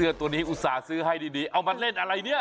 ตัวนี้อุตส่าห์ซื้อให้ดีเอามาเล่นอะไรเนี่ย